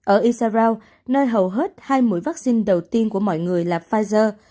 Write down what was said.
ở israel nơi hầu hết hai mũi vắc xin đầu tiên của mọi người là pfizer